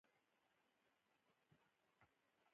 آیا ځکه چې کاناډا د نړۍ برخه نه ده؟